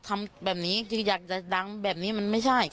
ทำแบบนี้คืออยากจะดังแบบนี้มันไม่ใช่